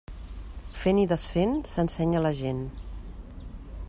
Fent i desfent s'ensenya la gent.